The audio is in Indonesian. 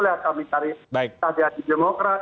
kita cari entah dia di demokrat